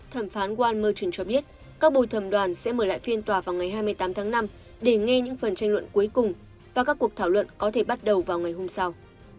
thẩm phán wall merton cho biết các bồi thẩm đoàn sẽ mở lại phiên tòa vào ngày hai mươi tám tháng năm để nghe những phần tranh luận cuối cùng và các cuộc thảo luận có thể bắt đầu vào ngày hôm sau